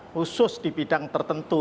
khusus di bidang tertentu